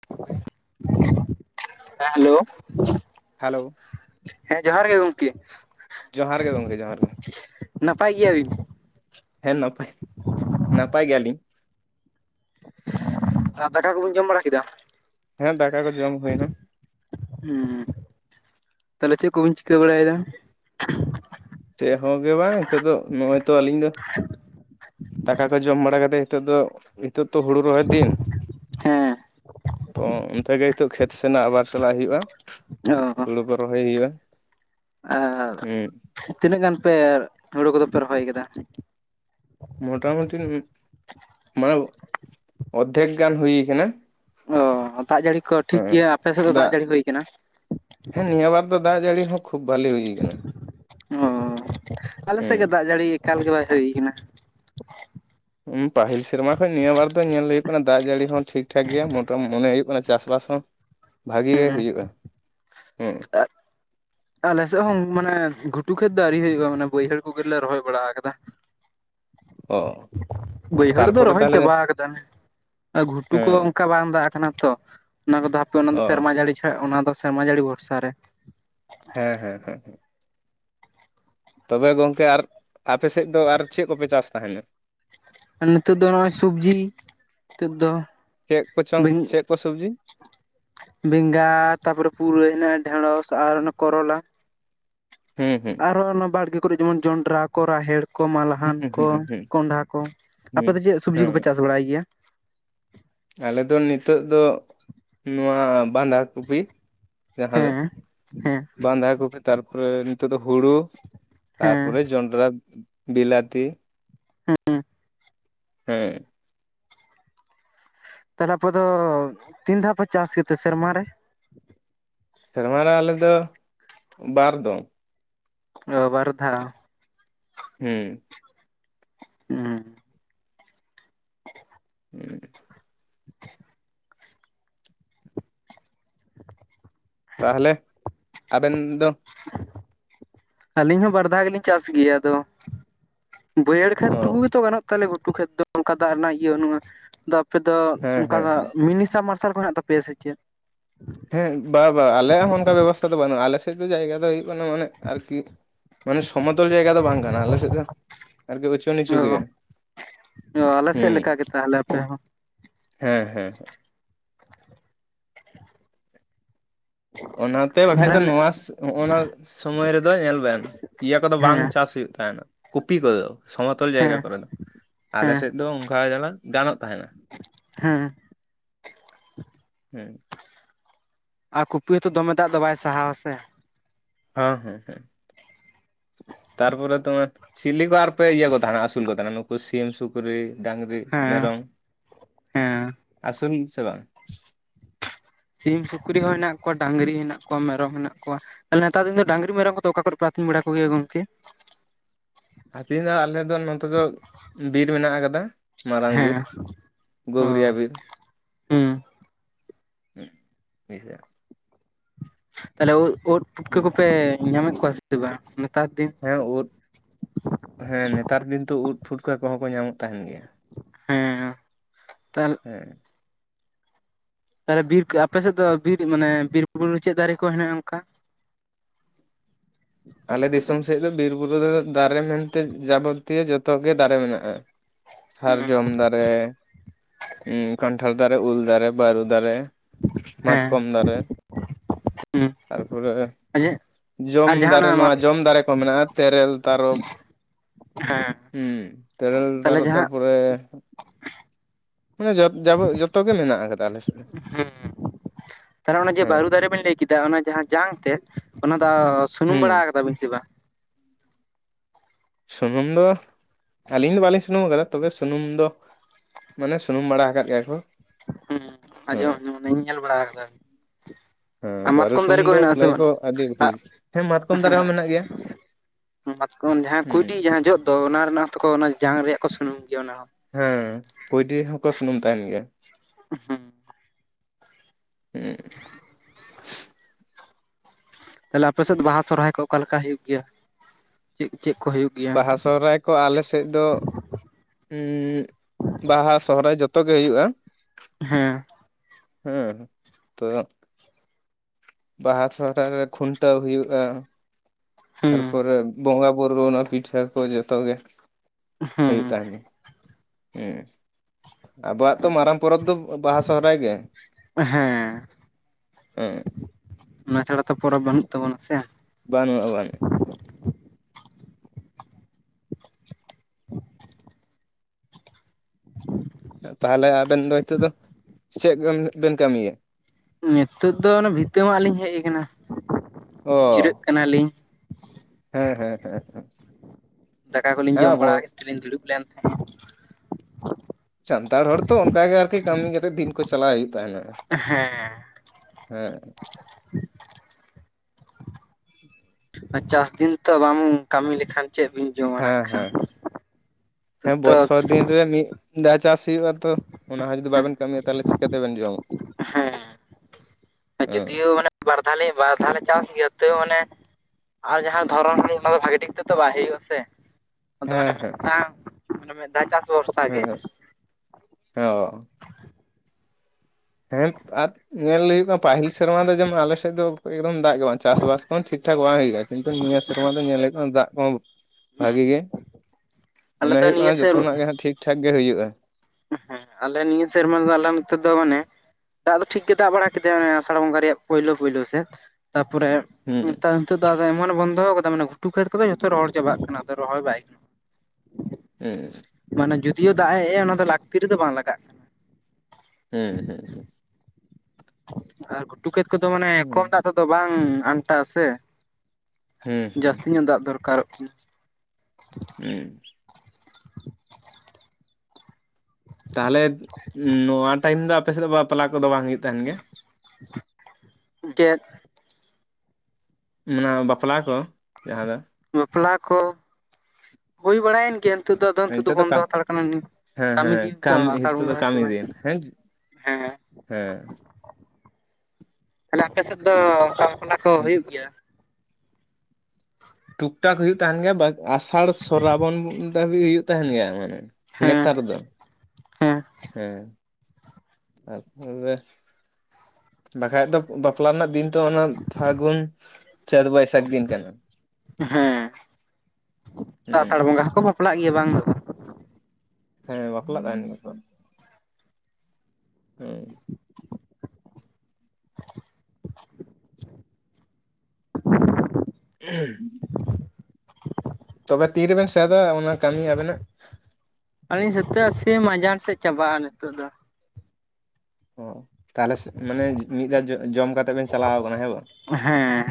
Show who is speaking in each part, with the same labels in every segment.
Speaker 1: [inaudible] ᱦᱮᱸ hello.
Speaker 2: Hello.
Speaker 1: ᱦᱮᱸ ᱡᱚᱦᱟᱨ ᱜᱮ ᱜᱚᱢᱠᱮ ᱾
Speaker 2: ᱡᱚᱦᱟᱨ ᱜᱮ ᱜᱚᱝᱠᱮ ᱡᱚᱦᱟᱨ ᱜᱮ ᱾
Speaker 1: ᱱᱟᱯᱟᱭ ᱜᱮᱭᱟ ᱵᱤᱱ?
Speaker 2: ᱦᱮᱸ ᱱᱟᱯᱟᱭ [inaudible] ᱱᱟᱯᱟᱭ ᱜᱮᱭᱟᱞᱤᱧ ᱾
Speaker 1: ᱟᱨ ᱫᱟᱠᱟ ᱠᱚᱵᱤᱱ ᱡᱚᱢ ᱵᱟᱲᱟ ᱠᱮᱫᱟ?
Speaker 2: ᱦᱮᱸ ᱫᱟᱠᱟ ᱠᱚ ᱡᱚᱢ ᱦᱩᱭ ᱮᱱᱟ᱾
Speaker 1: ᱦᱩᱸ [inaudible] ᱛᱟᱦᱚᱞᱮ ᱪᱮᱫ ᱠᱚᱵᱤᱱ ᱪᱤᱠᱟᱹ ᱵᱟᱲᱟᱭᱮᱫᱟ?
Speaker 2: ᱪᱮᱫ ᱦᱚᱸ ᱜᱮ ᱵᱟᱝ ᱱᱤᱛᱚᱜ ᱫᱚ ᱱᱚᱜᱼᱚᱭ ᱛᱚ ᱟᱹᱞᱤᱧ ᱫᱚ ᱫᱟᱠᱟ ᱠᱚ ᱡᱚᱢ ᱵᱟᱲᱟ ᱠᱟᱛᱮᱫ ᱱᱤᱛᱚᱜ ᱫᱚ ᱱᱤᱛᱚᱜ ᱛᱚ ᱦᱩᱲᱩ ᱨᱚᱦᱚᱭ ᱫᱤᱱ
Speaker 1: ᱦᱮᱸ
Speaker 2: ᱾ [inaudible] ᱛᱚ ᱚᱱᱛᱮ ᱜᱮ ᱱᱤᱛᱚᱜ ᱠᱷᱮᱛ ᱥᱮᱱ ᱟᱜ ᱟᱵᱟᱨ ᱪᱟᱞᱟᱜ ᱦᱩᱭᱩᱜᱼᱟ ᱾ [inaudible]
Speaker 1: ᱚ
Speaker 2: ᱦᱩᱲᱩ ᱠᱚ ᱨᱚᱦᱚᱭ ᱦᱩᱭᱩᱜᱼᱟ ᱾
Speaker 1: ᱟᱨ
Speaker 2: [inaudible] ᱦᱮᱸ ᱾
Speaker 1: ᱛᱤᱱᱟᱹᱜ ᱜᱟᱱ ᱯᱮ ᱦᱩᱲᱩ ᱠᱚᱫᱚᱯᱮ ᱨᱚᱦᱚᱭ ᱟᱠᱫᱟ?
Speaker 2: ᱢᱚᱴᱟᱢᱩᱴᱤ [inaudible] ᱢᱟᱞ ᱚᱨᱫᱷᱮᱠ ᱜᱟᱱ ᱦᱩᱭ ᱟᱠᱟᱱᱟ ᱾
Speaker 1: ᱚ ᱫᱟᱜ ᱡᱟᱹᱲᱤ ᱠᱚ ᱴᱷᱤᱠ ᱜᱮᱭᱟ, ᱟᱯᱮ ᱥᱮᱫ ᱫᱚ ᱫᱟᱜ ᱡᱟᱹᱲᱤ ᱦᱩᱭ ᱠᱟᱱᱟ? [inaudible]
Speaker 2: ᱛᱚ ᱫᱟᱜ ᱡᱟᱹᱲᱤ ᱦᱚᱸ ᱠᱷᱩᱵ ᱵᱷᱟᱞᱤ ᱦᱩᱭ ᱟᱠᱟᱱᱟ ᱾
Speaker 1: ᱚ ᱟᱞᱮ ᱥᱮᱫ ᱜᱮ ᱫᱟᱜ ᱡᱟᱹᱲᱤ ᱮᱠᱟᱞ ᱜᱮ ᱵᱟᱭ ᱦᱩᱭ ᱟᱠᱟᱱᱟ ᱾
Speaker 2: ᱦᱚᱸ ᱯᱟᱹᱦᱤᱞ ᱥᱮᱨᱢᱟ ᱠᱷᱚᱱ ᱱᱤᱭᱟᱹ ᱵᱟᱨ ᱫᱚ ᱧᱮᱞ ᱦᱩᱭᱩᱜ ᱠᱟᱱᱟ ᱫᱟᱜ ᱡᱟᱹᱲᱤ ᱦᱚᱸ ᱴᱷᱤᱠ ᱴᱷᱟᱠ ᱜᱮᱭᱟ ᱢᱚᱴᱟ ᱢᱚᱱᱮ ᱦᱩᱭᱩᱜ ᱠᱟᱱᱟ ᱪᱟᱥᱵᱟᱥ ᱦᱚᱸ
Speaker 1: [inaudible]
Speaker 2: ᱵᱷᱟᱹᱜᱤ ᱜᱮ
Speaker 1: ᱦᱩᱸ
Speaker 2: ᱦᱩᱭᱩᱜᱼᱟ [inaudible] ᱦᱮᱸ ᱾
Speaker 1: ᱟᱞᱮ ᱥᱮᱫ ᱦᱚᱸ ᱢᱟᱱᱮ ᱜᱷᱩᱴᱩ ᱠᱷᱮᱛ ᱫᱚ ᱟᱣᱨᱤ ᱦᱩᱭᱩᱜᱼᱟ ᱢᱟᱱᱮ ᱵᱟᱹᱭᱦᱟᱹᱲ ᱠᱚᱜᱮᱞᱮ ᱨᱚᱦᱚᱭ ᱵᱟᱲᱟ ᱟᱠᱟᱫᱟ ᱾
Speaker 2: ᱚ ᱾
Speaker 1: ᱵᱟᱹᱭᱦᱟᱹᱲ ᱫᱚ ᱨᱚᱦᱚᱭ ᱪᱟᱵᱟ ᱟᱠᱟᱫᱟ ᱞᱮ ᱾ [inaudible] ᱟᱨ ᱜᱷᱩᱴᱩ ᱠᱚ
Speaker 2: ᱦᱮᱸ
Speaker 1: ᱚᱱᱠᱟ ᱵᱟᱝ ᱫᱟᱜ ᱟᱠᱟᱱᱟ ᱛᱚ ᱾ ᱚᱱᱟ ᱠᱚᱫᱚ ᱦᱟᱯᱮ ᱚᱱᱟ ᱫᱚ
Speaker 2: ᱚ
Speaker 1: ᱥᱮᱨᱢᱟ ᱡᱟᱹᱲᱤ ᱪᱷᱟ ᱚᱱᱟ ᱫᱚ ᱥᱮᱨᱢᱟ ᱡᱟᱹᱲᱤ ᱵᱷᱚᱨᱥᱟ ᱨᱮ ᱾
Speaker 2: ᱦᱮᱸ ᱦᱮᱸ ᱦᱮᱸ ᱾ ᱛᱚᱵᱮ ᱜᱚᱝᱠᱮ ᱟᱨ ᱟᱯᱮ ᱥᱮᱫ ᱫᱚ ᱟᱨ ᱪᱮᱫ ᱠᱚᱯᱮ ᱪᱟᱥ ᱛᱟᱦᱮᱱᱟ?
Speaker 1: ᱟᱨ ᱱᱤᱛᱚᱜ ᱫᱚ ᱱᱚᱜᱼᱚᱭ ᱥᱚᱵᱽᱡᱤ ᱱᱤᱛᱚᱜ ᱫᱚ ᱾
Speaker 2: ᱪᱮᱫ ᱠᱚ ᱪᱚᱝ ᱪᱮᱫ ᱠᱚ ᱥᱚᱵᱽᱡᱤ?
Speaker 1: ᱵᱮᱸᱜᱟᱲ ᱛᱟᱯᱚᱨᱮ ᱯᱩᱨᱟᱹᱭ ᱦᱮᱱᱟᱜᱼᱟ, ᱰᱷᱮᱸᱲᱚᱥ, ᱟᱨ ᱚᱱᱟ ᱠᱚᱨᱚᱞᱟ ᱾
Speaker 2: ᱦᱮᱸ ᱦᱮᱸ ᱾
Speaker 1: ᱟᱨᱚ ᱚᱱᱟ ᱵᱟᱲᱜᱮ ᱠᱚᱨᱮ ᱡᱮᱢᱚᱱ ᱡᱚᱱᱰᱨᱟ ᱠᱚ ᱨᱟᱦᱮᱲ ᱠᱚ
Speaker 2: ᱦᱩᱸ
Speaker 1: ᱢᱟᱞᱦᱟᱱ ᱠᱚ
Speaker 2: ᱦᱩᱸ ᱦᱩᱸ
Speaker 1: ᱠᱚᱸᱰᱷᱟ ᱠᱚ ᱾ ᱟᱯᱮ
Speaker 2: ᱦᱩᱸ
Speaker 1: ᱫᱚ ᱪᱮᱫ ᱥᱚᱵᱽᱡᱤ ᱠᱚᱯᱮ
Speaker 2: ᱦᱮᱸ
Speaker 1: ᱪᱟᱥ ᱵᱟᱲᱟᱭ ᱜᱮᱭᱟ?
Speaker 2: ᱟᱞᱮ ᱫᱚ ᱱᱤᱛᱚᱜ ᱫᱚ [inaudible] ᱱᱚᱣᱟ ᱵᱟᱸᱫᱷᱟ ᱠᱩᱯᱤ ᱡᱟᱦᱟᱸ ᱫᱚ
Speaker 1: ᱦᱮᱸ ᱦᱮᱸ
Speaker 2: ᱵᱟᱸᱫᱷᱟ ᱠᱚᱯᱤ ᱛᱟᱨᱯᱚᱨᱮ ᱱᱤᱛᱚᱜ ᱫᱚ ᱦᱩᱲᱩ ᱾
Speaker 1: ᱦᱮᱸ
Speaker 2: ᱛᱟᱨᱯᱚᱨᱮ ᱡᱚᱱᱰᱨᱟ ᱵᱤᱞᱟᱛᱤ ᱾
Speaker 1: ᱦᱮᱸ ᱾
Speaker 2: ᱦᱮᱸ᱾
Speaker 1: ᱛᱟᱦᱚᱞᱮ ᱟᱯᱮ ᱫᱚ ᱛᱤᱱ ᱫᱷᱟᱣ ᱯᱮ ᱪᱟᱥ ᱜᱮᱛᱮ ᱥᱮᱨᱢᱟ ᱨᱮ?
Speaker 2: ᱥᱮᱨᱢᱟ ᱨᱮ ᱟᱞᱮ ᱫᱚ ᱵᱟᱨ ᱫᱚ।
Speaker 1: ᱚ ᱵᱟᱨ ᱫᱷᱟᱣ।
Speaker 2: ᱦᱩᱸ।
Speaker 1: ᱚᱸ,
Speaker 2: [unintelligible]
Speaker 1: [inaudible]
Speaker 2: ᱛᱟᱦᱚᱞᱮ ᱟᱵᱮᱱ ᱫᱚ
Speaker 1: ᱟᱹᱞᱤᱧ ᱦᱚᱸ ᱵᱟᱨ ᱫᱷᱟᱣ ᱜᱮᱞᱤᱧ ᱪᱟᱥ ᱜᱮᱭᱟ ᱟᱫᱚ ᱵᱟᱹᱭᱦᱟᱹᱲ ᱠᱷᱮᱛ ᱴᱩᱠᱩ
Speaker 2: ᱚ
Speaker 1: ᱜᱮᱛᱚ ᱜᱟᱱᱚᱜ ᱛᱟᱞᱮ ᱜᱷᱩᱴᱩ ᱠᱷᱮᱛ ᱫᱚ ᱚᱱᱠᱟ ᱫᱟᱜ ᱨᱮᱱᱟᱜ ᱤᱭᱟᱹ ᱵᱟᱹᱱᱩᱜᱼᱟ। ᱟᱯᱮ ᱫᱚ
Speaker 2: ᱦᱮᱸ
Speaker 1: ᱚᱱᱠᱟ
Speaker 2: ᱦᱮᱸ
Speaker 1: ᱫᱚ ᱢᱤᱱᱤ ᱥᱟᱵ ᱢᱟᱨᱥᱟᱞ ᱠᱚ ᱦᱮᱱᱟᱜ ᱛᱟᱯᱮᱭᱟ ᱥᱮ ᱪᱮᱫ?
Speaker 2: ᱦᱮᱸ ᱵᱟ ᱵᱟ ᱟᱞᱮᱭᱟᱜ ᱦᱚᱸ ᱚᱱᱠᱟ ᱵᱮᱵᱚᱛᱷᱟ ᱫᱚ ᱵᱟᱹᱱᱩᱜᱼᱟ ᱟᱞᱮ ᱥᱮᱫ ᱫᱚ ᱡᱟᱭᱜᱟ ᱫᱚ ᱦᱩᱭᱩᱜ ᱠᱟᱱᱟ ᱢᱟᱱᱮ ᱟᱨᱠᱤ ᱢᱟᱱᱮ ᱥᱚᱢᱚᱛᱚᱞ ᱡᱟᱭᱜᱟ ᱫᱚ ᱵᱟᱝ ᱠᱟᱱᱟ, ᱟᱞᱮ ᱥᱮᱫ ᱫᱚ ᱟᱨᱠᱤ ᱩᱪᱩ ᱱᱤᱪᱩ
Speaker 1: ᱚ
Speaker 2: ᱜᱮᱭᱟ।
Speaker 1: ᱚ ᱟᱞᱮ ᱥᱮᱫ ᱞᱮᱠᱟ
Speaker 2: ᱦᱩᱸ
Speaker 1: ᱜᱮ ᱛᱟᱦᱚᱞᱮ ᱟᱯᱮ ᱦᱚᱸ।
Speaker 2: ᱦᱮᱸ ᱦᱮᱸ ᱦᱮᱸ᱾ ᱚᱱᱟᱛᱮ ᱵᱟᱲᱟᱭ ᱫᱚ
Speaker 1: ᱛᱟᱦᱚᱞᱮ
Speaker 2: ᱱᱚᱣᱟ ᱦᱚᱜ ᱱᱚᱣᱟ ᱥᱚᱢᱚᱭ ᱨᱮᱫᱚ ᱧᱮᱞ ᱵᱮᱱ। ᱤᱭᱟᱹ ᱠᱚᱫᱚ ᱵᱟᱝ
Speaker 1: ᱦᱮᱸ
Speaker 2: ᱪᱟᱥ ᱦᱩᱭᱩᱜ ᱛᱟᱦᱮᱱᱟ ᱠᱩᱯᱤ ᱠᱚᱫᱚ᱾ ᱥᱚᱢᱚᱛᱚᱞ ᱡᱟᱭᱜᱟ
Speaker 1: ᱦᱮᱸ
Speaker 2: ᱠᱚᱨᱮ ᱫᱚ, ᱟᱞᱮ
Speaker 1: ᱦᱮᱸ
Speaker 2: ᱥᱮᱫ ᱫᱚ ᱚᱱᱠᱟ ᱡᱟᱞᱟ ᱜᱟᱱᱚᱜ ᱛᱟᱦᱮᱱᱟ᱾
Speaker 1: ᱦᱮᱸ
Speaker 2: ᱦᱮᱸ᱾
Speaker 1: ᱟᱨ ᱠᱩᱯᱤ ᱦᱚᱸᱛᱚ ᱫᱚᱢᱮ ᱫᱟᱜ ᱫᱚ ᱵᱟᱭ ᱥᱟᱦᱟᱣᱟ ᱥᱮ᱾
Speaker 2: ᱦᱮᱸ ᱦᱮᱸ ᱦᱮᱸ᱾
Speaker 1: [inaudible]
Speaker 2: ᱛᱟᱨᱯᱚᱨᱮ ᱛᱚᱢᱟᱨ ᱥᱤᱞᱤ ᱠᱚ ᱟᱨᱯᱮ ᱤᱭᱟᱹ ᱠᱚ ᱛᱟᱦᱮᱱᱟ, ᱟᱹᱥᱩᱞ ᱠᱚ ᱛᱟᱦᱮᱱᱟ? ᱱᱩᱠᱩ ᱥᱤᱢ ᱥᱩᱠᱨᱤ ᱰᱟᱝ ᱨᱤ
Speaker 1: ᱦᱮᱸ
Speaker 2: ᱢᱮᱨᱚᱢ
Speaker 1: ᱦᱮᱸ
Speaker 2: ᱟᱹᱥᱩᱞ ᱥᱮ ᱵᱟᱝ?
Speaker 1: ᱥᱤᱢ ᱥᱩᱠᱨᱤ ᱦᱚᱸ ᱦᱮᱱᱟᱜ ᱠᱚᱣᱟ, ᱰᱟᱝᱨᱤ ᱦᱮᱱᱟᱜ ᱠᱚᱣᱟ, ᱢᱮᱨᱚᱢ ᱦᱮᱱᱟᱜ ᱠᱚᱣᱟ᱾ ᱛᱟᱦᱚᱞᱮ ᱱᱮᱛᱟᱨ ᱫᱤᱱ ᱫᱚ ᱰᱟᱝᱨᱤ ᱢᱮᱨᱚᱢ ᱠᱚᱫᱚ ᱚᱠᱟ ᱠᱚᱨᱮᱯᱮ ᱟᱹᱛᱤᱧ ᱵᱟᱲᱟ ᱠᱚᱜᱮᱭᱟ ᱜᱚᱢᱠᱮ?
Speaker 2: ᱦᱟᱛᱤᱧ ᱫᱚ ᱟᱞᱮ ᱫᱚ ᱱᱚᱛᱮ ᱫᱚ ᱵᱤᱨ ᱢᱮᱱᱟᱜ ᱟᱠᱟᱫᱟ᱾ ᱢᱟᱨᱟᱝ
Speaker 1: ᱦᱮᱸ
Speaker 2: ᱵᱤᱨ,
Speaker 1: ᱚ
Speaker 2: ᱜᱚᱵᱨᱤᱭᱟ ᱵᱤᱨ᱾
Speaker 1: ᱦᱩᱸ
Speaker 2: ᱦᱮᱸ ᱦᱚᱭᱥᱮ᱾
Speaker 1: ᱛᱟᱦᱞᱮ ᱩᱫ ᱯᱩᱴᱠᱟᱹ ᱠᱚᱯᱮ ᱧᱟᱢᱮᱫ ᱠᱚᱣᱟ ᱥᱮ ᱵᱟᱝ ᱱᱮᱛᱟᱨ ᱫᱤᱱ?
Speaker 2: ᱩᱫ, ᱦᱮᱸ ᱱᱮᱛᱟᱨ ᱫᱤᱱ ᱫᱚ ᱩᱫ ᱯᱷᱩᱴᱠᱟ ᱠᱚᱦᱚᱸ ᱠᱚ ᱧᱟᱢᱚᱜ ᱛᱟᱦᱮᱱ ᱜᱮᱭᱟ᱾
Speaker 1: ᱦᱮᱸ ᱛᱟᱦᱮ
Speaker 2: ᱦᱮᱸ
Speaker 1: ᱛᱟᱦᱚᱞᱮ ᱵᱤᱨ ᱟᱯᱮ ᱥᱮᱫ ᱫᱚ ᱵᱤᱨ ᱢᱟᱱᱮ ᱵᱤᱨ ᱵᱩᱨᱩ ᱨᱮ ᱪᱮᱫ ᱫᱟᱨᱮ ᱠᱚ ᱦᱮᱱᱟᱜᱼᱟ ᱚᱱᱠᱟ?
Speaker 2: ᱟᱞᱮ ᱫᱤᱥᱚᱢ ᱥᱮᱫ ᱫᱚ ᱵᱤᱨ ᱵᱩᱨᱩ ᱨᱮ ᱫᱟᱨᱮ ᱢᱮᱱᱛᱮ ᱡᱟᱵᱚᱛᱤᱭᱚ ᱡᱚᱛᱚ ᱜᱮ ᱫᱟᱨᱮ ᱢᱮᱱᱟᱜᱼᱟ᱾ ᱥᱟᱨᱡᱚᱢ ᱫᱟᱨᱮ ᱩᱸ ᱠᱟᱱᱴᱷᱟᱲ ᱫᱟᱨᱮ ᱩᱞ ᱫᱟᱨᱮ ᱵᱟᱹᱨᱩ ᱫᱟᱨᱮ
Speaker 1: ᱦᱮᱸ
Speaker 2: ᱢᱟᱛᱠᱚᱢ ᱫᱟᱨᱮ, ᱛᱟᱨᱯᱚᱨᱮ
Speaker 1: ᱦᱮᱸ
Speaker 2: ᱡᱚᱢ
Speaker 1: ᱟᱨ ᱡᱟᱦᱟᱸ
Speaker 2: ᱫᱟᱨ
Speaker 1: ᱚᱱᱟ
Speaker 2: ᱱᱚᱣᱟ ᱡᱚᱢ ᱫᱟᱨᱮ ᱠᱚ ᱢᱮᱱᱟᱜᱼᱟ᱾ ᱛᱮᱨᱮᱞ ᱛᱟᱨᱚᱯ
Speaker 1: ᱦᱮᱸ
Speaker 2: ᱦᱩᱸ ᱛᱮᱨᱮᱞ
Speaker 1: ᱛᱟᱦᱚᱞᱮ
Speaker 2: ᱛᱟᱨᱚᱜ
Speaker 1: ᱡᱟᱦᱟᱸ
Speaker 2: ᱛᱟᱨᱯᱚᱨᱮ ᱢᱟᱱᱮ ᱡᱟ ᱡᱚᱛᱚ ᱜᱮ ᱢᱮᱱᱟᱜ ᱟᱠᱟᱫᱟ ᱟᱞᱮ ᱥᱮᱫ ᱨᱮ᱾
Speaker 1: ᱦᱮᱸ ᱛᱟᱦᱚᱞᱮ ᱚᱱᱮ ᱡᱮ
Speaker 2: ᱦᱮᱸ
Speaker 1: ᱵᱟᱹᱨᱩ ᱫᱟᱨᱮ ᱵᱮᱱ ᱞᱟᱹᱭ ᱠᱮᱫᱟ ᱚᱱᱟ ᱡᱟᱦᱟᱸ ᱡᱟᱝ ᱛᱮᱫ ᱚᱱᱟ ᱫᱚ ᱥᱩᱱᱩᱢ
Speaker 2: ᱦᱩᱸ
Speaker 1: ᱵᱟᱲᱟ ᱠᱟᱫᱟᱵᱤᱱ ᱥᱮ ᱵᱟᱝ?
Speaker 2: ᱥᱩᱱᱩᱢ ᱫᱚ ᱟᱹᱞᱤᱧ ᱫᱚ ᱵᱟᱹᱞᱤᱧ ᱥᱩᱱᱩᱢ ᱟᱠᱟᱫᱟ᱾ ᱛᱚᱵᱮ ᱥᱩᱱᱩᱢ ᱫᱚ ᱢᱟᱱᱮ ᱥᱩᱱᱩᱢ ᱵᱟᱲᱟ ᱟᱠᱟᱫ ᱜᱮᱭᱟ ᱠᱚ᱾
Speaker 1: ᱦᱮᱸ ᱟᱸᱡᱚᱢ
Speaker 2: ᱦᱮᱸ
Speaker 1: ᱟᱸᱡᱚᱢ ᱚᱱᱮᱧ ᱧᱮᱞ ᱵᱟᱲᱟ ᱠᱟᱫᱟ ᱟ
Speaker 2: ᱦᱮᱸ ᱵᱟᱹᱨᱩ
Speaker 1: ᱢᱟᱛᱠᱚᱢ ᱫᱟᱨᱮ
Speaker 2: ᱥᱩᱱᱩᱢ
Speaker 1: ᱠᱚ
Speaker 2: ᱫᱚ
Speaker 1: ᱦᱮᱱᱟᱜ ᱟᱥᱮ ᱵᱟᱹᱱᱩᱜ?
Speaker 2: ᱞᱟᱹᱭᱟᱠᱚ ᱟᱹᱰᱤ
Speaker 1: ᱟᱨ
Speaker 2: ᱵᱷᱟᱹᱞᱤ ᱦᱮᱸ ᱢᱟᱛᱠᱚᱢ ᱫᱟᱨᱮ ᱦᱚᱸ ᱢᱮᱱᱟᱜ ᱜᱮᱭᱟ
Speaker 1: ᱦᱮᱸ ᱢᱟᱛᱠᱚᱢ ᱡᱟᱦᱟᱸ ᱠᱩᱩᱭᱴᱤ
Speaker 2: ᱦᱮᱸ
Speaker 1: ᱡᱟᱦᱟᱸ ᱡᱚᱜ ᱫᱚ ᱚᱱᱟ ᱨᱮᱱᱟᱜ ᱛᱚᱠᱚ ᱚᱱᱟ ᱡᱟᱝ ᱨᱮᱭᱟᱜ ᱠᱚ ᱥᱩᱱᱩᱢ ᱜᱮᱭᱟ ᱚᱱᱟ ᱦᱚᱸ᱾
Speaker 2: ᱦᱮᱸ ᱠᱩᱭᱰᱤ ᱦᱚᱸᱠᱚ ᱥᱩᱱᱩᱢ ᱛᱟᱦᱮᱱ ᱜᱮᱭᱟ᱾
Speaker 1: ᱩᱸ ᱦᱩᱸ
Speaker 2: ᱦᱩᱸ
Speaker 1: [inaudible] ᱛᱟᱦᱞᱮ ᱟᱯᱮᱥᱮᱫ ᱫᱚ ᱵᱟᱦᱟ ᱥᱚᱨᱦᱟᱭ ᱠᱚ ᱚᱠᱟ ᱞᱮᱠᱟ ᱦᱩᱭᱩᱜ ᱜᱮᱭᱟ? ᱪᱮᱫ ᱪᱮᱫ ᱠᱚ ᱦᱩᱭᱩᱜ ᱜᱮᱭᱟ?
Speaker 2: ᱵᱟᱦᱟ ᱥᱚᱦᱨᱟᱭ ᱠᱚ ᱟᱞᱮᱥᱮᱡ ᱫᱚ ᱩᱸᱻ ᱵᱟᱦᱟ ᱥᱚᱦᱨᱟᱭ ᱡᱚᱛᱚ ᱜᱮ ᱦᱩᱭᱩᱜ-ᱟ᱾
Speaker 1: ᱦᱮᱸ
Speaker 2: ᱦᱮᱸ ᱛᱚ ᱵᱟᱦᱟ ᱥᱚᱦᱨᱟᱭ ᱨᱮ ᱠᱷᱩᱱᱴᱟᱹᱣ ᱦᱩᱭᱩᱜ-ᱟ᱾
Speaker 1: ᱦᱩᱸ
Speaker 2: ᱛᱟᱨᱯᱚᱨᱮ ᱵᱚᱸᱜᱟ ᱵᱩᱨᱩ ᱚᱱᱟ ᱯᱤᱴᱷᱟᱹ ᱠᱚ ᱡᱚᱛᱚ ᱜᱮ᱾
Speaker 1: ᱦᱩᱸ
Speaker 2: ᱦᱩᱭᱩᱜ ᱛᱟᱦᱮᱸᱱᱟ, ᱦᱩᱸ ᱟᱵᱚᱣᱟᱜ ᱛᱚ ᱢᱟᱨᱟᱝ ᱯᱚᱨᱚᱵᱽ ᱫᱚ ᱵᱟᱦᱟ ᱥᱚᱦᱨᱟᱭ ᱜᱮ
Speaker 1: ᱦᱮᱸ
Speaker 2: ᱦᱮᱸ
Speaker 1: ᱚᱱᱟ ᱪᱷᱟᱲᱟ ᱛᱚ ᱯᱚᱨᱚᱵᱽ ᱵᱟᱹᱱᱩᱜ ᱛᱟᱵᱚᱱᱟ ᱥᱮ᱾
Speaker 2: ᱵᱟᱱᱩᱟ ᱵᱟᱱ
Speaker 1: [inaudible] [inaudible]
Speaker 2: ᱛᱟᱦᱞᱮ ᱟᱵᱮᱱ ᱫᱚ ᱦᱤᱛᱳᱜ ᱫᱚ ᱪᱮᱫ ᱵᱮᱱ ᱠᱟᱹᱢᱤᱭᱟ?
Speaker 1: ᱱᱤᱛᱳᱜ ᱫᱚ ᱚᱱᱟ ᱵᱷᱤᱛᱟᱹ ᱢᱟᱜ ᱞᱤᱧ ᱦᱮᱡ ᱠᱟᱱᱟ,
Speaker 2: ᱚ
Speaker 1: ᱡᱤᱨᱟᱹᱜ ᱠᱟ ᱠᱟᱱᱟᱞᱤᱧ
Speaker 2: ᱦᱮᱸ ᱦᱮᱸ ᱦᱮᱸ
Speaker 1: ᱫᱟᱠᱟ ᱠᱚᱞᱤᱧ
Speaker 2: ᱦᱮᱸ
Speaker 1: ᱡᱚᱢ
Speaker 2: ᱟᱵᱚ
Speaker 1: ᱵᱟᱲᱟ ᱠᱮᱫ ᱛᱮᱞᱤᱧ ᱫᱩᱲᱩᱵᱽ ᱞᱮᱱ [unintelligible]
Speaker 2: ᱥᱟᱱᱛᱟᱲ ᱦᱚᱲ ᱛᱚ ᱚᱱᱠᱟᱜᱮ ᱟᱨᱠᱤ ᱠᱟᱹᱢᱤ ᱠᱟᱛᱮᱜ ᱫᱤᱱ ᱠᱚ ᱪᱟᱞᱟᱣ ᱦᱩᱭᱩᱜ ᱛᱟᱦᱮᱱᱟ᱾
Speaker 1: ᱦᱮᱸ
Speaker 2: ᱦᱮᱸ [inaudible]
Speaker 1: ᱟᱪᱟᱥ ᱫᱤᱱ ᱛᱚ ᱵᱟᱢ ᱠᱟᱢᱤ ᱞᱮᱠᱷᱟᱱ ᱪᱮᱜ ᱵᱤᱱ ᱡᱚᱢᱟ ᱱᱟᱜ
Speaker 2: ᱦᱮᱸ
Speaker 1: ᱠᱷᱟᱱ
Speaker 2: ᱦᱮᱸ ᱦᱮᱸ
Speaker 1: ᱛᱚ
Speaker 2: ᱵᱚᱪᱷᱚᱨ ᱫᱤᱱ ᱨᱮ ᱢᱤᱫ ᱫᱟ ᱪᱟᱥ ᱦᱩᱭᱩᱜ ᱛᱚ ᱚᱱᱟ ᱦᱚᱸ ᱡᱩᱫᱤ
Speaker 1: ᱦᱮᱸ
Speaker 2: ᱵᱟᱵᱮᱱ ᱠᱟᱹᱢᱤᱭᱟ ᱛᱟᱦᱞᱮ ᱪᱤᱠᱟᱹ ᱛᱮᱵᱮᱱ ᱡᱚᱢᱟ᱾
Speaker 1: ᱦᱮᱸ
Speaker 2: ᱦᱮᱸ
Speaker 1: ᱡᱩᱫᱤᱭᱳ ᱢᱟᱱᱮ ᱵᱟᱨ ᱫᱷᱟ ᱵᱟᱨ ᱫᱷᱟᱣ ᱞᱮ ᱪᱟᱥ ᱜᱮᱭᱟ ᱛᱟᱹᱣ ᱢᱟᱱᱮ ᱟᱨ ᱡᱟᱦᱟᱸ ᱫᱷᱚᱨᱚᱱ ᱦᱩᱲᱩ ᱚᱱᱟ ᱫᱚ ᱵᱷᱟᱜᱤ ᱴᱷᱤᱠ ᱛᱮ ᱛᱚ ᱵᱟᱭ ᱦᱩᱭᱩᱜ-ᱟ ᱥᱮ ᱟᱫᱚ
Speaker 2: ᱦᱮᱸ
Speaker 1: ᱢᱟᱱᱮ ᱢᱮᱫᱽ
Speaker 2: ᱦᱮᱸ
Speaker 1: ᱛᱟᱝ ᱢᱟᱱᱮ ᱢᱤᱫᱽ ᱫᱷᱟᱣ ᱪᱟᱥ ᱵᱚᱨᱥᱟ
Speaker 2: ᱦᱮᱸ ᱚ ᱦᱮᱸ ᱟᱨ ᱧᱮᱞ ᱞᱩᱭᱩᱜ ᱠᱟᱱᱟ ᱯᱟᱹᱦᱤᱞ ᱥᱮᱨᱢᱟ ᱫᱚ ᱡᱮᱢᱚᱱ ᱟᱞᱮᱥᱮᱫ ᱫᱚ ᱮᱠᱫᱚᱢ ᱫᱟᱜᱽ ᱜᱮ ᱵᱟᱝ ᱪᱟᱥᱵᱟᱥ ᱠᱚᱦᱚᱸ ᱴᱷᱤᱠ ᱴᱷᱟᱠ ᱵᱟᱝ ᱦᱩᱭᱩᱜ-ᱟ, ᱠᱤᱱᱛᱩ ᱱᱤᱭᱟᱹ ᱥᱮᱨᱢᱟ ᱫᱚ ᱧᱮᱞ ᱦᱩᱭᱩᱜ ᱠᱟᱱᱟ ᱫᱟᱜᱽ ᱠᱚᱦᱚᱸ ᱵᱷᱟᱜᱮ ᱜᱮ
Speaker 1: ᱟᱞᱮ
Speaker 2: ᱢᱚᱱᱮ
Speaker 1: ᱫᱚ
Speaker 2: ᱦᱩᱭᱩᱜ ᱠᱟᱱᱟ
Speaker 1: ᱱᱤᱭᱟᱹ ᱥᱮᱨ
Speaker 2: ᱡᱚᱛᱚᱱᱟᱜ ᱜᱮ ᱦᱟᱸᱜ ᱴᱷᱤᱠ ᱴᱷᱟᱠ ᱜᱮ ᱦᱩᱭᱩᱜ-ᱟ᱾
Speaker 1: ᱦᱮᱸ ᱟᱞᱮ ᱱᱤᱭᱟᱹ ᱥᱮᱨᱢᱟ ᱫᱚ ᱟᱞᱮ ᱱᱚᱛᱮ ᱫᱚ ᱢᱟᱱᱮ ᱫᱟᱜᱽ ᱫᱚ ᱴᱷᱤᱠ ᱜᱮ ᱫᱟᱜᱽ ᱵᱟᱲᱟ ᱠᱮᱫᱮᱭᱟ ᱚᱱᱮ ᱟᱥᱟᱲ ᱵᱚᱸᱜᱟ ᱨᱮᱭᱟᱜ ᱯᱩᱭᱞᱳ ᱯᱩᱭᱞᱳ ᱥᱮᱫ ᱛᱟᱯᱚᱨᱮ
Speaker 2: ᱦᱩᱸ
Speaker 1: ᱮᱛᱟᱝ ᱱᱤᱛᱳᱜ ᱫᱚ ᱟᱫᱚ ᱮᱢᱚᱱᱮ ᱵᱚᱱᱫᱚ ᱠᱟᱫᱟ ᱢᱟᱱᱮ ᱜᱷᱩᱴᱩ ᱠᱷᱮᱛ ᱠᱚᱫᱚ ᱡᱚᱛᱚ ᱨᱚᱦᱚᱲ ᱪᱟᱵᱟᱜ ᱠᱟᱱᱟ ᱨᱚᱦᱚᱭ ᱵᱟᱭ-
Speaker 2: ᱩᱸ
Speaker 1: ᱢᱟᱱᱮ ᱡᱩᱫᱤᱭᱳ ᱫᱟᱜᱽ ᱮ ᱟᱭ ᱚᱱᱟ ᱫᱚ ᱞᱟᱠᱛᱤ ᱨᱮᱫᱚ ᱵᱟᱝ ᱞᱟᱜᱟᱜ ᱠᱟᱱᱟ
Speaker 2: ᱦᱩᱸ ᱦᱩᱸ ᱦᱩᱸ᱾
Speaker 1: ᱟᱨ ᱜᱷᱩᱴᱩ ᱠᱷᱮᱛ ᱠᱚᱫᱚ ᱢᱟᱱᱮ
Speaker 2: ᱦᱩᱸ
Speaker 1: ᱠᱚᱢ ᱫᱟᱜᱽ ᱛᱮᱫᱚ ᱵᱟᱝ ᱟᱱᱴᱟᱜᱼᱟ ᱥᱮ᱾
Speaker 2: ᱦᱩᱸ ᱦᱩᱸ
Speaker 1: ᱡᱟᱹᱥᱛᱤ ᱧᱚᱜ ᱫᱟᱜᱽ ᱫᱚᱨᱠᱟᱨᱚᱜ ᱠᱟᱱᱟ
Speaker 2: ᱦᱮᱸ,
Speaker 1: [inaudible]
Speaker 2: ᱛᱟᱦᱚᱞᱮ ᱱᱚᱣᱟ ᱴᱟᱭᱤᱢ ᱫᱚ ᱟᱯᱮᱥᱮᱫ ᱫᱚ ᱵᱟᱯᱞᱟ ᱠᱚᱫᱚ ᱵᱟᱝ ᱦᱩᱭᱩᱜ ᱛᱟᱦᱮᱱ ᱜᱮᱭᱟ?
Speaker 1: ᱪᱮᱫᱽ [inaudible]
Speaker 2: ᱚᱱᱟ ᱵᱟᱯᱞᱟ ᱠᱚ ᱡᱟᱦᱟᱸ ᱫᱚ᱾
Speaker 1: ᱵᱟᱯᱞᱟ ᱠᱚ ᱦᱩᱭ ᱵᱟᱲᱟᱭᱮᱱ ᱜᱮᱭᱟ᱾ ᱱᱤᱛᱚᱜ ᱫᱚ ᱟᱫᱚ ᱱᱤᱛᱚᱜ ᱫᱚ ᱵᱚᱱᱫᱚ ᱦᱟᱛᱟᱲ ᱠᱟᱱᱟ
Speaker 2: ᱦᱮᱸ
Speaker 1: ᱠᱟᱹᱢᱤ
Speaker 2: ᱦᱮᱸ
Speaker 1: ᱫᱤᱱ ᱛᱚ
Speaker 2: ᱠᱟᱹᱢᱤ
Speaker 1: ᱟᱥᱟᱲ
Speaker 2: ᱱᱤᱛᱚᱜ
Speaker 1: ᱵᱚᱸᱜᱟ
Speaker 2: ᱫᱚ
Speaker 1: ᱦᱚᱸ
Speaker 2: ᱠᱟᱹᱢᱤ
Speaker 1: ᱪᱟᱵᱟᱭᱱᱟ᱾
Speaker 2: ᱫᱤᱱ ᱦᱮᱸ ᱦᱮᱸ,
Speaker 1: ᱛᱟᱦᱚᱞᱮ ᱟᱯᱮ ᱥᱮᱫ ᱫᱚ
Speaker 2: ᱦᱩᱸ᱾
Speaker 1: ᱚᱱᱠᱟ ᱵᱟᱯᱞᱟ ᱠᱚ ᱦᱩᱭᱩᱜ ᱜᱮᱭᱟ᱾
Speaker 2: ᱴᱩᱠ ᱴᱟᱠ ᱦᱩᱭᱩᱜ ᱛᱟᱦᱮᱱ ᱜᱮᱭᱟ ᱵᱟᱹᱠ ᱟᱥᱟᱲ ᱥᱚᱨᱟᱵᱚᱱ ᱫᱷᱟᱹᱵᱤᱡ ᱦᱩᱭᱩᱜ ᱛᱟᱦᱮᱱ ᱜᱮᱭᱟ ᱢᱟᱱᱮ
Speaker 1: ᱦᱮᱸ
Speaker 2: ᱱᱮᱛᱟᱨ ᱫᱚ᱾
Speaker 1: ᱦᱮᱸ
Speaker 2: ᱦᱮᱸ ᱟᱨ ᱯᱚᱨᱮ [inaudible] ᱵᱟᱠᱷᱟᱡ ᱫᱚ ᱵᱟᱯᱞᱟ ᱨᱮᱱᱟᱜ ᱫᱤᱱ ᱛᱚ ᱚᱱᱟ ᱯᱷᱟᱹᱜᱩᱱ, ᱪᱟᱹᱛ ᱵᱟᱹᱭᱥᱟᱹᱠᱷ ᱫᱤᱱ ᱠᱟᱱᱟ
Speaker 1: ᱦᱮᱸ ᱟᱥᱟᱲ
Speaker 2: ᱦᱩᱸ
Speaker 1: ᱵᱚᱸᱜᱟ ᱦᱚᱸᱠᱚ ᱵᱟᱯᱞᱟᱜ ᱜᱮᱭᱟ ᱵᱟᱝ ᱫᱚ ᱵᱟᱝ᱾
Speaker 2: ᱦᱮᱸ ᱵᱟᱯᱞᱟᱜ ᱛᱟᱦᱮᱱ ᱜᱮᱭᱟ ᱠᱚ᱾ ᱦᱮᱸ,
Speaker 1: [inaudible] [inaudible]
Speaker 2: ᱦᱮᱸ ᱛᱚᱵᱮ ᱛᱤᱨᱮᱵᱮᱱ ᱥᱮᱫᱟ ᱚᱱᱟ ᱠᱟᱢᱤ ᱟᱵᱮᱱᱟᱜ᱾
Speaker 1: ᱟᱹᱞᱤᱧ ᱥᱮᱛᱟᱜ ᱥᱮ ᱢᱟᱡᱟᱱ ᱥᱮᱫᱽ ᱪᱟᱵᱟᱜᱼᱟ ᱱᱤᱛᱚᱜ ᱫᱚ᱾
Speaker 2: ᱚ ᱛᱟᱦᱚᱞᱮᱥ ᱢᱟᱱᱮ ᱢᱤᱫ ᱫᱷᱟᱣ ᱡᱚ ᱡᱚᱢ ᱠᱟᱛ ᱠᱟᱛᱮ ᱵᱮᱱ ᱪᱟᱞᱟᱣ ᱠᱟᱱᱟ ᱦᱮᱸ ᱵᱟᱝ᱾
Speaker 1: ᱦᱮᱸ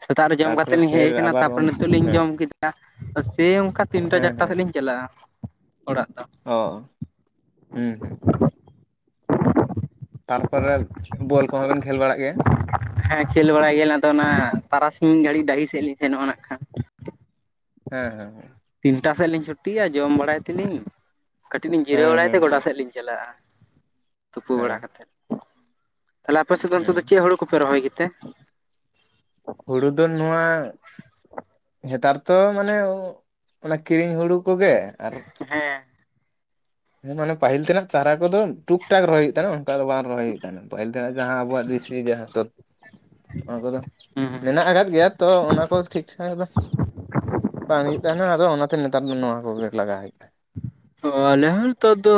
Speaker 1: ᱥᱮᱛᱟᱜ ᱨᱮ ᱡᱚᱢ
Speaker 2: ᱛᱟᱨᱯᱚᱨᱮ
Speaker 1: ᱠᱟᱛᱮᱫ ᱞᱤᱧ ᱦᱮᱡ
Speaker 2: ᱯᱷᱮᱨ
Speaker 1: ᱟᱠᱟᱱᱟ
Speaker 2: ᱟᱵᱟᱨ
Speaker 1: ᱛᱟᱯᱚᱨᱮ
Speaker 2: ᱚᱱ-
Speaker 1: ᱱᱤᱛᱚᱜ ᱞᱤᱧ
Speaker 2: ᱦᱮᱸ
Speaker 1: ᱡᱚᱢ ᱠᱮᱫᱟ᱾ ᱥᱮᱹᱭ ᱚᱱᱠᱟ ᱛᱤᱱᱴᱟ
Speaker 2: ᱦᱮᱸ
Speaker 1: ᱪᱟᱨᱴᱟ ᱛᱮᱞᱤᱧ ᱪᱟᱞᱟᱜᱼᱟ ᱚᱲᱟᱜ ᱫᱚ᱾
Speaker 2: ᱚᱸ ᱦᱩᱸ ᱦᱩᱸ ᱦᱩᱸ, ᱛᱟᱨᱯᱚᱨᱮ ᱵᱚᱞ ᱠᱚᱦᱚᱸ ᱵᱮᱱ ᱠᱷᱮᱞ ᱵᱟᱲᱟᱜ ᱜᱮᱭᱟ᱾
Speaker 1: ᱦᱮᱸ ᱠᱷᱮᱞ ᱵᱟᱲᱟᱭ ᱜᱮᱭᱟᱞᱤᱧ ᱛᱚ ᱟᱫᱚ ᱚᱱᱟ ᱛᱟᱨᱟᱥᱤᱧ ᱜᱷᱟᱹᱲᱤᱡ ᱰᱟᱹᱦᱤ ᱥᱮᱜ ᱞᱤᱧ ᱥᱮᱱᱚᱜ ᱟᱱᱟᱜ ᱠᱷᱟᱱ᱾
Speaker 2: ᱦᱮᱸ ᱦᱮᱸ ᱦᱮᱸ,
Speaker 1: ᱛᱤᱱᱴᱟ ᱥᱮᱫ ᱞᱤᱧ ᱪᱷᱩᱴᱤᱜ-ᱟ ᱡᱚᱢ ᱵᱟᱲᱟᱭ ᱛᱮᱞᱤᱧ ᱠᱟᱹᱴᱤᱡ ᱞᱤᱧ ᱡᱤᱨᱟᱹ
Speaker 2: ᱦᱮᱸ
Speaker 1: ᱵᱟᱲᱟᱭ ᱛᱮ
Speaker 2: ᱦᱮᱸ
Speaker 1: ᱜᱚᱰᱟ ᱥᱮᱫ ᱞᱤᱧ ᱪᱟᱞᱟᱜ-ᱟ ᱛᱩᱯᱩ ᱵᱟᱲᱟ
Speaker 2: ᱦᱮᱸ
Speaker 1: ᱠᱟᱛᱮᱫ᱾ ᱛᱟᱦᱞᱮ ᱟᱯᱮ ᱥᱮᱫ ᱫᱚ ᱱᱤᱛᱚᱜ
Speaker 2: ᱦᱮᱸ
Speaker 1: ᱫᱚ ᱪᱮᱫ ᱦᱚᱲᱳ ᱠᱚᱯᱮ ᱨᱚᱦᱚᱭ ᱜᱮᱛᱮ?
Speaker 2: ᱦᱩᱲᱩ ᱫᱚ ᱱᱚᱣᱟ ᱱᱮᱛᱟᱨ ᱛᱚ ᱢᱟᱱᱮ ᱚᱱᱟ ᱠᱤᱨᱤᱧ ᱦᱩᱲᱩ ᱠᱚᱜᱮ ᱟᱨ᱾
Speaker 1: ᱦᱮᱸ,
Speaker 2: ᱦᱮᱸ ᱢᱟᱱᱮ ᱯᱟᱦᱤᱞ ᱛᱮᱱᱟᱜ ᱪᱟᱨᱟ ᱠᱚᱫᱚ ᱴᱩᱠ ᱴᱟᱠ ᱨᱚᱦᱚᱭ ᱦᱩᱭᱩᱜ ᱛᱟᱦᱮᱱᱟ ᱚᱱᱠᱟ ᱫᱚ ᱵᱟᱝ ᱨᱚᱦᱚᱭ ᱦᱩᱭᱩᱜ ᱛᱟᱦᱮᱱᱟ ᱯᱟᱹᱦᱤᱞ ᱛᱮ ᱡᱟᱦᱟᱸ ᱟᱵᱚᱣᱟᱜ ᱡᱟᱦᱟᱸ ᱫᱮᱥᱤ ᱡᱟᱦᱟᱸ ᱛᱚᱛ
Speaker 1: [unintelligible]
Speaker 2: ᱚᱱᱟ ᱠᱚᱫᱚ
Speaker 1: ᱦᱩᱸ ᱦᱩᱸ
Speaker 2: ᱢᱮᱱᱟᱜ ᱟᱠᱟᱫ ᱜᱮᱭᱟ ᱛᱚ ᱚᱱᱟ ᱠᱚ ᱴᱷᱤᱠ ᱴᱷᱟᱠ ᱵᱟᱥ᱾ ᱵᱟᱝ ᱦᱩᱭᱩᱜ ᱛᱟᱦᱮᱱᱟ ᱟᱫᱚ ᱚᱱᱟᱛᱮ ᱱᱮᱛᱟᱨ ᱫᱚ ᱱᱚᱣᱟ ᱠᱚᱜᱮ ᱞᱟᱜᱟᱣ ᱦᱩᱭᱩᱜ ᱛᱟᱦᱮᱫ᱾
Speaker 1: ᱚᱸ ᱟᱞᱮᱦᱚ ᱱᱤᱛᱚᱜ ᱫᱚ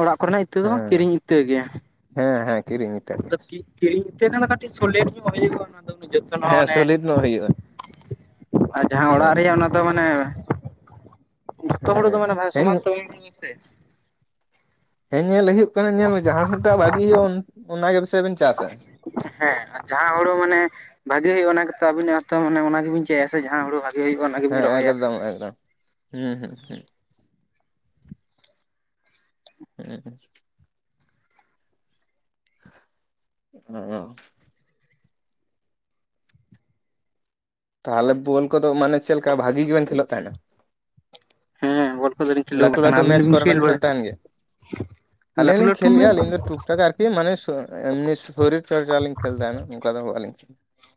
Speaker 1: ᱚᱲᱟᱜ ᱠᱚᱨᱮᱱᱟᱜ ᱤᱛᱟᱹ ᱫᱚ ᱵᱟᱝ
Speaker 2: ᱦᱮᱸ
Speaker 1: ᱠᱤᱨᱤᱧ ᱤᱛᱟᱹ ᱜᱮ᱾
Speaker 2: ᱦᱮᱸ ᱦᱮᱸ ᱠᱤᱨᱤᱧ ᱤᱛᱟᱹ ᱜᱮ᱾
Speaker 1: ᱟᱫᱚ ᱠᱤᱨᱤᱧ ᱤᱛᱟᱹ ᱠᱷᱟᱱ ᱫᱚ ᱠᱟᱹᱴᱤᱡ ᱥᱚᱞᱮᱴ ᱧᱚᱜ ᱦᱩᱭᱩᱜ-ᱟ ᱚᱱᱟ ᱫᱚ ᱩᱱᱟᱹᱜ ᱡᱚᱛᱚᱱ ᱦᱚᱸ
Speaker 2: ᱦᱮᱸ
Speaker 1: ᱚᱱᱮ
Speaker 2: ᱥᱚᱞᱤᱰ ᱧᱚᱜ ᱦᱩᱭᱩᱜᱼᱟ
Speaker 1: ᱟᱨ ᱡᱟᱦᱟᱸ ᱚᱲᱟᱜ
Speaker 2: ᱦᱮᱸ
Speaker 1: ᱨᱮᱭᱟᱜ ᱚᱱᱟ ᱫᱚ ᱢᱟᱱᱮ, ᱡᱷᱚᱛᱚ ᱦᱚᱲ ᱫᱚ ᱢᱟᱱᱮ
Speaker 2: ᱦᱮᱸ ᱦᱮᱸ
Speaker 1: ᱥᱚᱢᱟᱱ ᱛᱚ ᱵᱟᱝ ᱦᱩᱭᱩᱜ-ᱟ ᱥᱮ ᱥᱮ᱾
Speaker 2: ᱦᱮᱸ ᱧᱮᱞ ᱦᱩᱭᱩᱜ ᱠᱟᱱᱟ ᱧᱮᱞ ᱢᱮ ᱡᱟᱦᱟᱸ ᱥᱮᱴᱟᱜ ᱵᱷᱟᱜᱤ ᱦᱩᱭᱩᱜ-ᱟ ᱚᱱᱟᱜᱮ ᱵᱮᱥᱤ ᱵᱮᱱ ᱪᱟᱥᱟ᱾
Speaker 1: ᱦᱮᱸ ᱡᱟᱦᱟᱸ ᱦᱩᱲᱩ ᱢᱟᱱᱮ, ᱵᱷᱟᱜᱤ ᱦᱩᱭᱩᱜ-ᱟ ᱚᱱᱟ ᱜᱮᱛᱚ ᱟᱵᱤᱱᱟᱜ ᱦᱚᱸ ᱛᱚ ᱚᱱᱮ ᱚᱱᱟ ᱜᱮᱵᱤᱱ ᱪᱟᱹᱭᱟ ᱥᱮ ᱡᱟᱦᱟᱸ ᱦᱩᱲᱩ ᱵᱷᱟ -ᱜᱮ ᱦᱩᱭᱩᱜ-ᱟ ᱚᱱᱟ ᱜᱮ ᱵᱤᱱ ᱨᱚᱦᱚᱭᱟ᱾
Speaker 2: ᱦᱚᱸ ᱮᱠᱫᱚᱢ᱾ ᱦᱩᱸ ᱦᱩᱸ ᱦᱩᱸ᱾ ᱦᱩᱸ ᱦᱩᱸ᱾ ᱚᱻ᱾ ᱛᱟᱦᱚᱞᱮ ᱵᱚᱞ ᱠᱚᱫᱚ ᱢᱟᱱᱮ ᱪᱮᱞᱠᱟ ᱵᱷᱟᱜᱤ ᱜᱮᱵᱮᱱ ᱠᱷᱮᱞᱳᱜ ᱛᱟᱦᱮᱸᱱᱟ?
Speaker 1: ᱦᱮᱸ ᱵᱚᱞ ᱠᱚᱫᱚᱞᱤᱧ ᱠᱷᱮᱞᱳ
Speaker 2: ᱞᱟᱹᱴᱩ
Speaker 1: ᱵᱟᱲᱟᱜ ᱠᱟᱱᱟ
Speaker 2: ᱞᱟᱹᱴᱩ
Speaker 1: ᱟᱹᱵᱤᱱ
Speaker 2: ᱢᱮᱪ
Speaker 1: ᱫᱚᱵᱤᱱ
Speaker 2: ᱠᱚᱨᱮ ᱵᱮᱱ
Speaker 1: ᱵᱟᱲᱟ
Speaker 2: ᱠᱷᱮᱞ ᱛᱟᱦᱮᱸᱱ ᱜᱮᱭᱟ? ᱟᱹᱞᱤᱧ
Speaker 1: ᱞᱟᱹᱴᱩ
Speaker 2: ᱦᱚᱸᱞᱤᱧ
Speaker 1: ᱞᱟᱹᱴᱩ
Speaker 2: ᱠᱷᱮᱞ ᱜᱮᱭᱟ
Speaker 1: ᱢᱮᱪ
Speaker 2: ᱟᱹᱞᱤᱧ ᱫᱚ ᱴᱩᱠ ᱴᱟᱠ ᱟᱨ ᱠᱤ ᱢᱟᱱᱮ ᱮᱢᱱᱤ ᱥᱚᱨᱤᱨ ᱪᱚᱨᱪᱟ ᱞᱤᱧ ᱠᱷᱮᱞ ᱛᱟᱦᱮᱸᱱᱟ ᱱᱚᱝᱠᱟ ᱫᱚ ᱵᱟᱞᱤᱧ ᱠᱷᱮᱞ᱾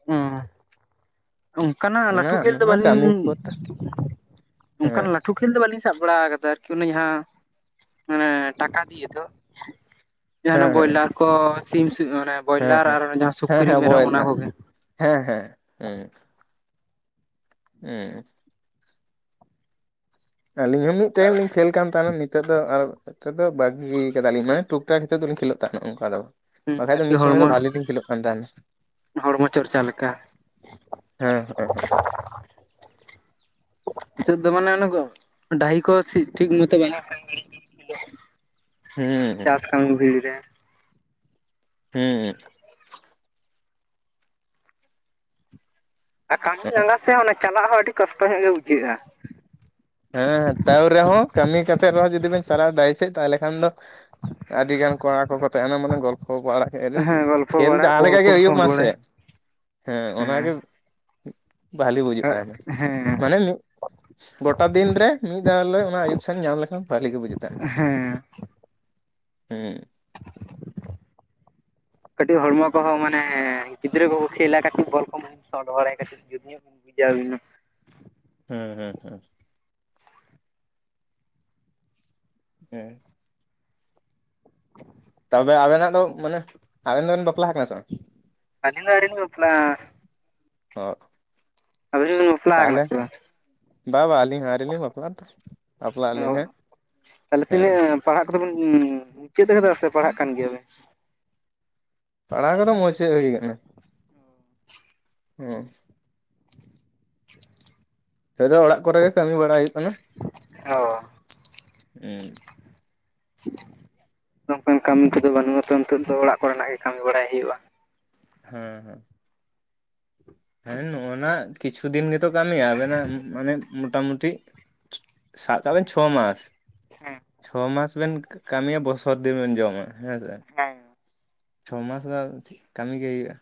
Speaker 1: ᱦᱩᱸ᱾ ᱚᱝᱠᱟᱱᱟᱜ
Speaker 2: ᱠᱷᱮᱞᱟ
Speaker 1: ᱞᱟᱹᱴᱩ ᱠᱷᱮᱞ
Speaker 2: ᱚᱱᱟ
Speaker 1: ᱫᱚ
Speaker 2: ᱚᱱᱟ ᱠᱟᱹᱢᱤ
Speaker 1: ᱵᱟᱹᱞᱤᱧ,
Speaker 2: ᱠᱚ
Speaker 1: ᱚᱝᱠᱟᱱ
Speaker 2: ᱦᱮᱸ
Speaker 1: ᱞᱟᱹᱴᱷᱩ ᱠᱷᱮᱞ ᱫᱚ ᱵᱟᱹᱞᱤᱧ ᱥᱟᱵ ᱵᱟᱲᱟ ᱟᱠᱟᱫᱟ ᱟᱨᱠᱤ ᱚᱱᱮ ᱡᱟᱦᱟᱸ ᱢᱟᱱᱮ ᱴᱟᱠᱟ ᱫᱤᱭᱮ ᱫᱚ᱾ ᱡᱟᱦᱟᱸᱱᱟᱜ
Speaker 2: ᱦᱮᱸ ᱦᱮᱸ
Speaker 1: ᱵᱚᱭᱞᱟᱨ ᱠᱚ, ᱥᱤᱢ ᱢᱟᱱᱮ
Speaker 2: ᱦᱮᱸ
Speaker 1: ᱵᱚᱭᱞᱟᱨ ᱟᱨ ᱡᱟᱦᱟᱸ
Speaker 2: ᱦᱮᱸ
Speaker 1: ᱥᱩᱠᱨᱤ,
Speaker 2: ᱦᱮᱸ
Speaker 1: ᱢᱮᱨᱚᱢ
Speaker 2: ᱵᱚᱭ
Speaker 1: ᱚᱱᱟ
Speaker 2: ᱨᱮᱱᱟᱜ
Speaker 1: ᱠᱚᱜᱮ᱾
Speaker 2: ᱦᱮᱸ ᱦᱮᱸ ᱦᱮᱸ᱾ ᱦᱮᱸ᱾ ᱟᱹᱞᱤᱧ ᱦᱚᱸ ᱢᱤᱫ ᱴᱟᱭᱤᱢ ᱞᱤᱧ ᱠᱷᱮᱞ ᱠᱟᱱ ᱛᱟᱦᱮᱸᱱᱟ ᱱᱤᱛᱚᱜ ᱫᱚ ᱟᱨ [inaudible] ᱱᱤᱛᱚᱜ ᱫᱚ ᱵᱟᱹᱜᱤ ᱠᱟᱫᱟᱞᱤᱧ ᱢᱟᱱᱮ ᱴᱩᱠ ᱴᱟ ᱦᱤᱛᱚᱜ ᱫᱚᱞᱤᱧ ᱠᱷᱮᱞᱳᱜ ᱛᱟᱦᱮᱸᱱᱟ ᱚᱝᱠᱟ ᱫᱚ ᱵᱟᱝ᱾
Speaker 1: ᱦᱩᱸ
Speaker 2: ᱵᱟᱠᱷᱟᱡ ᱫᱚ
Speaker 1: ᱟᱨᱠᱤ
Speaker 2: ᱢᱤᱫ ᱥᱚᱢᱚᱭ
Speaker 1: ᱦᱚᱲᱢᱚ
Speaker 2: ᱫᱚ ᱵᱷᱟᱞᱮ ᱞᱤᱧ ᱠᱷᱮᱞᱳᱜ ᱠᱟᱱ ᱛᱟᱦᱮᱸᱱᱟ᱾
Speaker 1: ᱦᱚᱲᱢᱚ ᱪᱚᱨᱪᱟ ᱞᱮᱠᱟ᱾
Speaker 2: ᱦᱮᱸ
Speaker 1: ᱱᱤᱛᱚᱜ ᱫᱚ ᱢᱟᱱᱮ ᱚᱱᱟ [inaudible] ᱰᱟᱦᱤ ᱠᱚ ᱥᱤᱜ ᱴᱷᱤᱠ ᱢᱚᱛᱚ ᱵᱟᱝ [inaudible]
Speaker 2: ᱦᱮᱸ
Speaker 1: ᱪᱟᱥ ᱠᱟᱢᱤ ᱵᱷᱤᱲ ᱨᱮ᱾
Speaker 2: ᱦᱩᱸ᱾
Speaker 1: ᱟᱨ ᱠᱟᱢᱤ
Speaker 2: ᱦᱮᱸ
Speaker 1: ᱞᱟᱸᱜᱟ ᱥᱮ ᱚᱱᱟ ᱪᱟᱞᱟᱜ ᱦᱚᱸ ᱟᱹᱰᱤ ᱠᱚᱥᱴᱚ ᱧᱚᱜ ᱜᱮ ᱵᱩᱡᱷᱟᱹᱜ-ᱟ᱾
Speaker 2: ᱦᱮᱸ ᱛᱟᱹᱣ ᱨᱮᱦᱚᱸ ᱠᱟᱹᱢᱤ ᱠᱟᱛᱮᱜ ᱨᱮᱦᱚᱸ ᱡᱩᱫᱤ ᱵᱮᱱ ᱪᱟᱞᱟᱣ ᱰᱟᱹᱦᱤ ᱥᱮᱫ ᱛᱟᱦᱚᱞᱮ ᱠᱷᱟᱱ ᱫᱚ ᱟᱹᱰᱤ ᱜᱟᱱ ᱠᱚᱲᱟ ᱠᱚᱠᱚ ᱛᱟᱦᱮᱸᱱᱟ ᱢᱟᱱᱮ ᱜᱚᱞᱯᱚ ᱵᱟᱲᱟ
Speaker 1: ᱦᱮᱸ
Speaker 2: [inaudible]
Speaker 1: ᱜᱚᱞᱯᱷᱚ
Speaker 2: ᱠᱷᱮᱞ
Speaker 1: ᱵᱟᱲᱟ
Speaker 2: ᱡᱟᱦᱟᱸ
Speaker 1: ᱵᱚᱞ
Speaker 2: ᱞᱮᱠᱟ ᱜᱮ
Speaker 1: ᱠᱚᱢ
Speaker 2: ᱦᱩᱭᱩᱜ
Speaker 1: ᱥᱚᱴ
Speaker 2: ᱢᱟᱥᱮ
Speaker 1: ᱵᱟᱲᱟᱭ
Speaker 2: ᱦᱮᱸ ᱚᱱᱟᱜᱮ ᱵᱷᱟᱞᱤ ᱵᱩᱡᱟᱹᱜ ᱛᱟᱦᱮᱸᱱᱟ
Speaker 1: ᱦᱮᱸ
Speaker 2: ᱢᱟᱱᱮ ᱢᱤᱫ ᱜᱚ ᱴᱟ ᱫᱤᱱ ᱨᱮ ᱢᱤᱫ ᱫᱷᱟᱣ ᱦᱚᱞᱮᱳ ᱚᱱᱟ ᱟᱹᱭᱩᱵ ᱥᱮᱱ ᱧᱟᱢ ᱞᱮᱠᱷᱟᱱ ᱵᱷᱟᱹᱞᱤ ᱜᱮ ᱵᱩᱡᱩᱜ ᱛᱟᱦᱮᱸᱱ᱾
Speaker 1: ᱦᱮᱸ
Speaker 2: ᱦᱩᱸ᱾
Speaker 1: [inaudible] ᱠᱟᱹᱴᱤᱡ ᱦᱚᱲᱢᱚ ᱠᱚᱦᱚᱸ ᱢᱟᱱᱮ ᱜᱤᱫᱽᱨᱟᱹ ᱠᱚᱠᱚ ᱠᱷᱮᱞᱟ ᱠᱟᱹᱴᱤᱡ ᱵᱚᱞ ᱠᱚ ᱢᱟᱱᱮ ᱥᱚᱴ ᱰᱟᱲᱟᱭᱟ ᱠᱟᱹᱴᱤᱡ ᱡᱩᱫ ᱧᱚᱜ ᱵᱤᱱ ᱵᱩᱡᱷᱟ ᱟᱵᱤᱱ ᱦᱚᱸ᱾
Speaker 2: ᱦᱩᱸ ᱦᱩᱸ ᱦᱩᱸ᱾ ᱦᱮᱸ᱾ ᱛᱚᱵᱮ ᱟᱵᱮᱱᱟᱜ ᱫᱚ ᱢᱟᱱᱮ, ᱟᱵᱮᱱ ᱫᱚᱵᱮᱱ ᱵᱟᱯᱞᱟ ᱟᱠᱟᱱᱟ ᱥᱮ ᱵᱟᱝ?
Speaker 1: ᱟᱞᱤᱧ ᱫᱚ ᱟᱹᱣᱨᱤᱞᱤᱧ ᱵᱟᱯᱞᱟᱜ-ᱟ᱾
Speaker 2: ᱚᱜ
Speaker 1: ᱟᱵᱤᱱ ᱵᱤᱱ ᱵᱟᱯᱞᱟᱣ ᱠᱟᱱᱟ ᱥᱮ ᱵᱟᱝ?
Speaker 2: ᱵᱟ ᱵᱟ ᱟᱞᱤᱧ ᱟᱹᱣᱨᱤ ᱞᱤᱧ ᱵᱟᱯᱞᱟᱜ-ᱟ ᱛᱚ᱾ ᱵᱟᱯᱞᱟᱜ ᱟᱹᱞᱤᱧ
Speaker 1: ᱚ,
Speaker 2: ᱦᱟᱸᱜ
Speaker 1: ᱛᱟᱦᱚᱞᱮ
Speaker 2: ᱦᱮᱸ
Speaker 1: ᱛᱤᱱᱟᱹᱜ ᱯᱟᱲᱦᱟᱜ ᱠᱚᱫᱚ ᱵᱮᱱ ᱢᱩᱪᱟᱹᱫ ᱟᱠᱟᱫᱟ ᱥᱮ ᱯᱟᱲᱦᱟᱜ ᱠᱟᱱ ᱜᱮᱭᱟ ᱵᱤᱱ?
Speaker 2: ᱯᱟᱲᱟᱣ ᱠᱚᱫᱚ ᱢᱩᱪᱟᱹᱫ ᱦᱩᱭ ᱠᱟᱱᱟ ᱾ ᱱᱤᱛᱚᱜ ᱫᱚ ᱚᱲᱟᱜ ᱠᱚᱨᱮ ᱜᱮ ᱠᱟᱹᱢᱤ ᱵᱟᱲᱟ ᱦᱩᱭᱩᱜ ᱠᱟᱱᱟ
Speaker 1: ᱚ
Speaker 2: ᱾ ᱦᱩᱸ!
Speaker 1: ᱱᱚᱝᱠᱟᱱ ᱠᱟᱹᱢᱤ ᱠᱚᱫᱚ ᱵᱟᱹᱱᱩᱜᱼᱟ ᱛᱚ ᱱᱤᱛᱳᱜ ᱫᱚ ᱚᱲᱟᱜ ᱠᱚᱨᱮᱱᱟᱜ ᱜᱮ ᱠᱟᱹᱢᱤ ᱵᱟᱲᱟᱭ ᱦᱩᱭᱩᱜᱼᱟ᱾
Speaker 2: ᱦᱮᱸ ᱦᱮᱸ, ᱦᱮᱸ ᱱᱚᱜᱼᱚᱱᱟ ᱠᱤᱪᱷᱩ ᱫᱤᱱ ᱜᱮ ᱛᱚ ᱠᱟᱹᱢᱤ ᱟᱵᱮᱱᱟᱜ ᱢᱟᱱᱮ ᱢᱚᱴᱟᱢᱩᱴᱤ ᱥᱟᱵ ᱠᱟᱜ ᱵᱮᱱ ᱪᱷᱚ ᱢᱟᱥ᱾
Speaker 1: ᱦᱮᱸ
Speaker 2: ᱪᱷᱚ ᱢᱟᱥ ᱵᱮᱱ ᱠᱟᱹᱢᱤᱭᱟ ᱵᱚᱥᱚᱨ ᱫᱤᱱ ᱵᱮᱱ ᱡᱚᱢᱟ ᱦᱮᱸ ᱥᱮ᱾
Speaker 1: ᱦᱮᱸ
Speaker 2: ᱪᱷᱚ ᱢᱟᱥ ᱫᱚ ᱠᱟᱹᱢᱤ ᱜᱮ ᱦᱩᱭᱩᱜᱼᱟ᱾